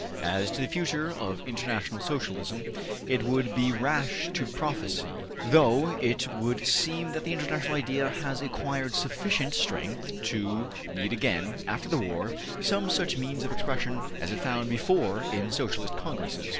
As to the future of International Socialism it would be rash to prophesy, though it would seem that the international idea has acquired sufficient strength to need again, after the war, some such means of expression as it found before in Socialist congresses.